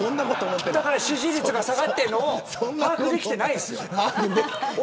だから支持率が下がってるのを把握できてないんですよ。